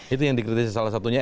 itu yang dikritisi salah satunya